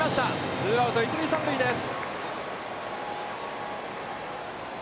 ツーアウト１塁３塁です。